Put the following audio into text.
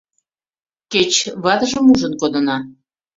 Кеч ватыжым ужын кодына.